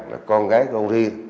và con gái của ông ri